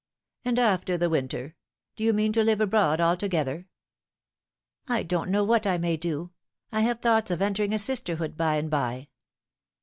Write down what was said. " And after the winter ? Do you mean to live abroad alto gether ?"" I don't know what I may do. I have thoughts of entering a sisterhood by and by."